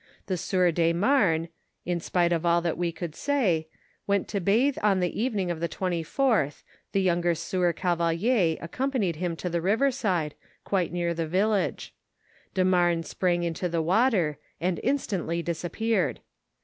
The sieur de Mame, in spite of all that we could say, went to bathe on the evening of the 24th, the younger sieur Oavelier accompanied him to the river side, quite near the village ; de Mame sprang into the water and instantly disappeared.